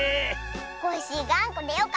コッシーがんこでよかったね。